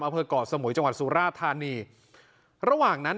อะเภิร์ดกอร์เซอะหมุยจังหวัดสุราธาณีรระหว่างนั้น